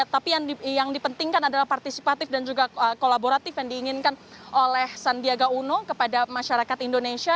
tapi yang dipentingkan adalah partisipatif dan juga kolaboratif yang diinginkan oleh sandiaga uno kepada masyarakat indonesia